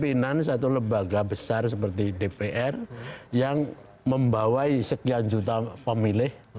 pimpinan satu lembaga besar seperti dpr yang membawai sekian juta pemilih